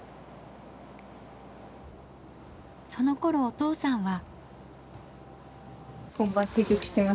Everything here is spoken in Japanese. そのころお父さんは。